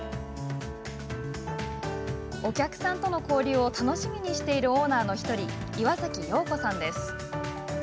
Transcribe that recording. お客さんとの交流を楽しみにしているオーナーの１人岩崎陽子さんです。